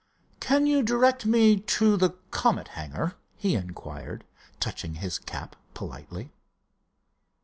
"Can you direct me to the Comet hangar?" he inquired, touching his cap politely.